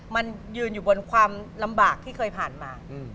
มันยืนอยู่บนความลำบากที่เคยผ่านมา